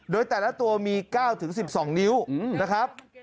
โดยแต่ละตัวมี๙๑๒นิ้วนะครับ